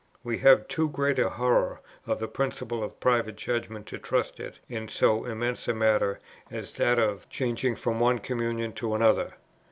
We have too great a horror of the principle of private judgment to trust it in so immense a matter as that of changing from one communion to another.